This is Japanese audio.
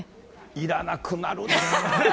いらなくなるなー。